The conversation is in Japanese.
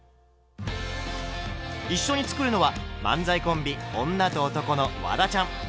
一緒に作るのは漫才コンビ「女と男」のワダちゃん。